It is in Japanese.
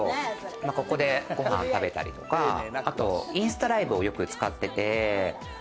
ここで、ご飯食べたりとか、インスタライブをよく使ってて。